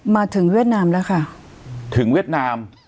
เวียดนามแล้วค่ะถึงเวียดนาม